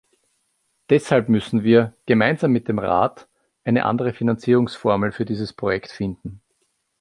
Deshalb müssen wir, gemeinsam mit dem Rat, eine andere Finanzierungsformel für dieses Projekt finden.